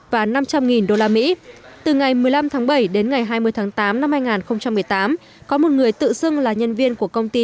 và năm trăm linh usd từ ngày một mươi năm tháng bảy đến ngày hai mươi tháng tám năm hai nghìn một mươi tám có một người tự xưng là nhân viên của công ty